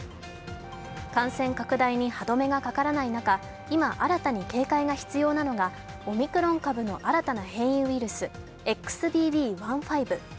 感染拡大に歯止めがかからない中、今、新たに警戒が必要なのはオミクロン株の新たな変異ウイルス、ＸＢＢ．１．５。